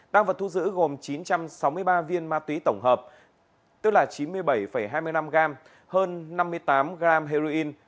tăng vật thu giữ gồm chín trăm sáu mươi ba viên ma túy tổng hợp tức là chín mươi bảy hai mươi năm gram hơn năm mươi tám gram heroin